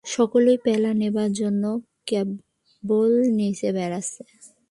সকলেই প্যালা নেবার জন্যে কেবল নেচে বেড়াচ্ছে!